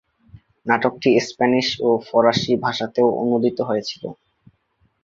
নাটকটি স্প্যানিশ ও ফরাসি ভাষাতেও অনুদিত হয়েছিল।